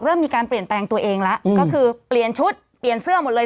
เริ่มมีการเปลี่ยนแปลงตัวเองแล้วก็คือเปลี่ยนชุดเปลี่ยนเสื้อหมดเลย